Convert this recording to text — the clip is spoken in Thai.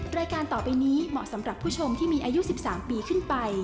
รายการต่อไปนี้เหมาะสำหรับผู้ชมที่มีอายุ๑๓ปีขึ้นไป